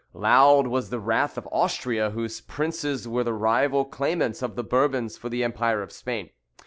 Loud was the wrath of Austria, whose princes were the rival claimants of the Bourbons for the empire of Spain.